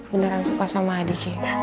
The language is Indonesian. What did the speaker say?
beneran suka sama adik cis